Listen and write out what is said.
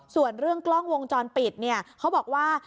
ส่วนเรื่องกล้องวงจรปิดเนี่ยเขาบอกว่า